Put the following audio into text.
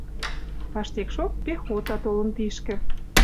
Паштекшок пехота толын тишкӹ